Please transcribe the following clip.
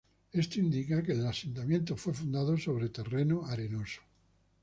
Esto indica que el asentamiento fue fundado sobre terreno arenoso.